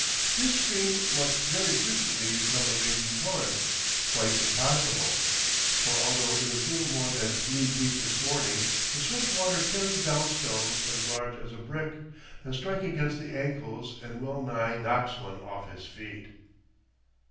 This stream must very frequently become a raging torrent, quite impassable; for although it is little more than knee deep this morning, the swift water carries down stones as large as a brick, that strike against the ankles and well nigh knock one off his feet.